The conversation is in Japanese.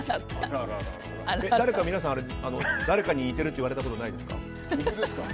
皆さん、誰かに似ているって言われたことないですか？